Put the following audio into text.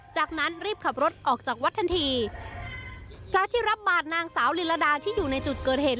จากนั้นรีบขับรถออกจากวัดทันทีพระที่รับบาดนางสาวลิลดาที่อยู่ในจุดเกิดเหตุ